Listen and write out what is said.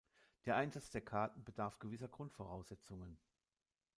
Der Einsatz der Karten bedarf gewisser Grundvoraussetzungen.